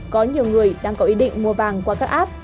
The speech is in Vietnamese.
có nhiều người đang có ý định mua vàng qua các app